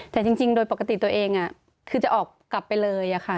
แต่จริงโดยปกติตัวเองคือจะออกกลับไปเลยค่ะ